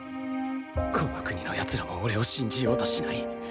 この国のやつらも俺を信じようとしない。